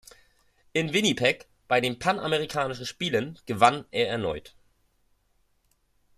In Winnipeg bei den Panamerikanischen Spielen gewann er erneut.